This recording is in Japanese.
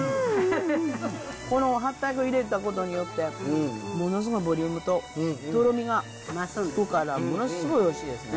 このはったい粉入れたことによってものすごいボリュームととろみがつくからものすごいおいしいですね。